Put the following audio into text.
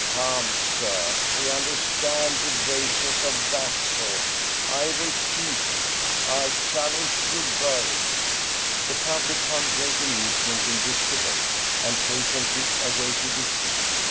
Come, sir ; we understand evasions of that sort. I re peat it — I challenge you both." The public found great amusement in this debate, and patiently awaited its issue.